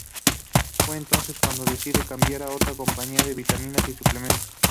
Fue entonces cuando decide cambiar a otra compañía de vitaminas y suplementos.